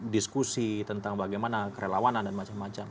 diskusi tentang bagaimana kerelawanan dan macam macam